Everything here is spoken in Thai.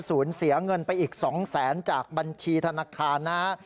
ศูนย์เสียเงินไปอีก๒๐๐๐๐๐บาทจากบัญชีธนาคารนะฮะ